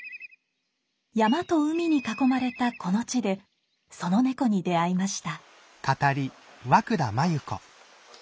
山と海に囲まれたこの地でその猫に出会いました。